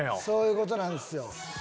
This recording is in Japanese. そういうことなんすよ。